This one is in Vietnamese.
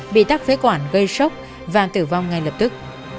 bị tắc phế quản gây sốc và tử vong ngay lập tức